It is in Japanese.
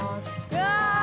うわ。